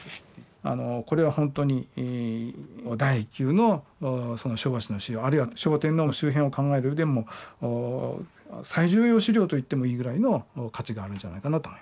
これは本当に第一級の昭和史の資料あるいは昭和天皇の周辺を考えるうえでも最重要資料と言ってもいいぐらいの価値があるんじゃないかなと思います。